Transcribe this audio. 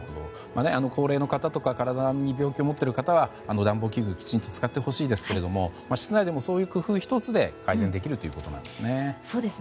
高齢の方とか体に病気を持っている方は暖房器具きちんと使ってほしいですが室内でもそういう工夫１つで改善できるということですね。